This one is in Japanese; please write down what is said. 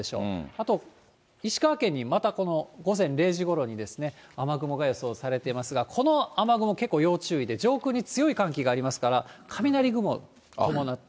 あと、石川県にまたこの午前０時ごろに雨雲が予想されていますが、この雨雲、結構要注意で、上空に強い寒気がありますから、雷雲を伴った。